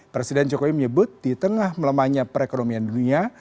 presiden jokowi menyebut di tengah melemahnya perekonomian dunia